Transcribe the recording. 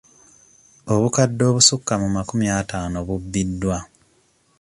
Obukadde obusukka mu makumi ataano bubbiddwa.